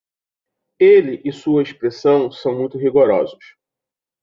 Ele e sua expressão são muito rigorosos